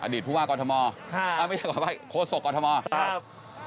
อดีตภูมิว่ากอร์ธมอธ์ไม่ใช่กอร์ธมอธ์โฆษกอร์ธมอธ์